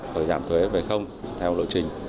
và giảm thuế về không theo lộ trình